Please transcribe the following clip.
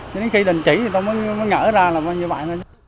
đến khi đình chỉ thì tôi mới ngỡ ra là như vậy thôi